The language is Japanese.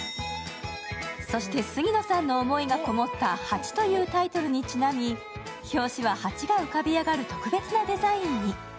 そして杉野さんの思いがこもった「８」というタイトルにちなみ表紙は「８」が浮かび上がる特別なデザインに。